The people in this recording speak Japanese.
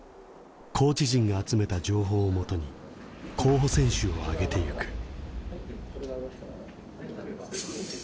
コーチ陣が集めた情報をもとに候補選手を挙げていく。